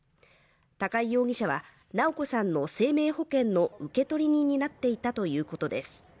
高井容疑者は直子さんの生命保険の受取人になっていたということです。